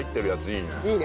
いいね。